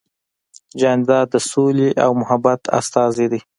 جانداد د سولې او محبت استازی دی.